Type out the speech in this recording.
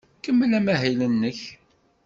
Kemmel amahil-nnek.